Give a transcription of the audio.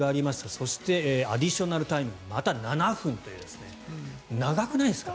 そしてアディショナルタイムがまた７分という長くないですか。